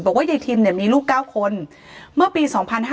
บอกว่ายายทิมเนี่ยมีลูก๙คนเมื่อปี๒๕๓๕